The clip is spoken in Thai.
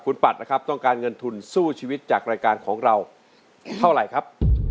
คุณปัดนะครับต้องการเงินทุนสู้ชีวิตจากรายการของเราเท่าไหร่ครับ